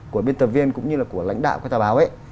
của biên tập viên cũng như là của lãnh đạo các tờ báo ấy